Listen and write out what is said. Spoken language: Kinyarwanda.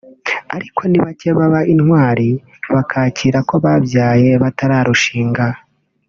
ariko ni bake baba intwari bakakira ko babyaye batararushinga